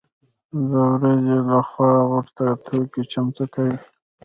و د ورځې له خوا ورته توکي چمتو کوي.